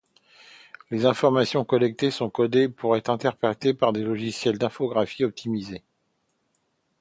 Les informations collectées sont codées pour être interprétées par des logiciels d'infographie optimisés.